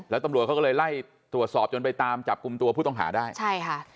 แล้วตำรวจเขาก็เลยไล่ตรวจสอบจนไปตามจับกลุ่มตัวผู้ต้องหาได้ใช่ค่ะ